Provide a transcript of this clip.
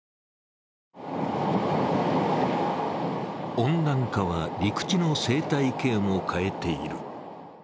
温暖化は陸地の生態系も変えている。